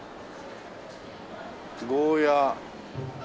ゴーヤー。